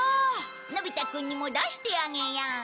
のび太くんにも出してあげよう。